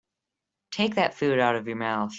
Take that food out of your mouth.